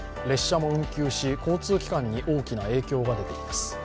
列車も運休し、交通機関に大きな影響が出ています。